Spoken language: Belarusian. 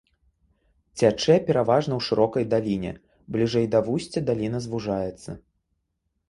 Цячэ пераважна ў шырокай даліне, бліжэй да вусця даліна звужаецца.